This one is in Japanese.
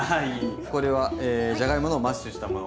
これはじゃがいものマッシュしたもの？